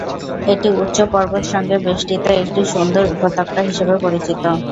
এটি উচ্চ পর্বত সঙ্গে বেষ্টিত একটি সুন্দর উপত্যকা হিসেবে পরিচিত।